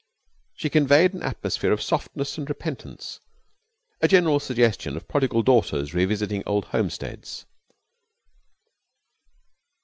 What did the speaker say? She conveyed an atmosphere of softness and repentance, a general suggestion of prodigal daughters revisiting old homesteads.